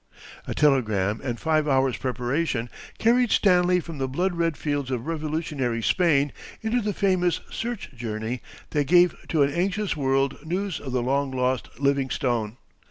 A telegram and five hours' preparation carried Stanley from the blood red fields of revolutionary Spain into the famous search journey that gave to an anxious world news of the long lost Livingstone.